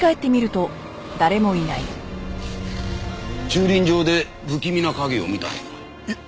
駐輪場で不気味な影を見たとか。